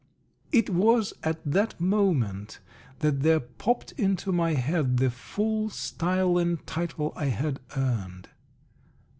It was at that moment that there popped into my head the full style and title I had earned.